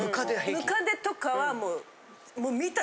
ムカデとかはもう。